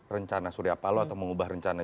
rencana suryapalo atau mengubah rencana